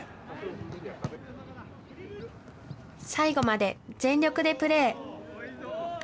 最後まで全力でプレー。